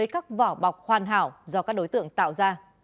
các vỏ bọc hoàn hảo do các đối tượng tạo ra